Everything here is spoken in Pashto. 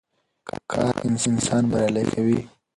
کار انسان بريالی کوي.